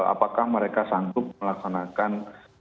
apakah mereka sanggup melaksanakan